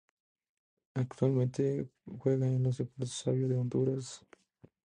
Actualmente juega en el Deportes Savio de Honduras.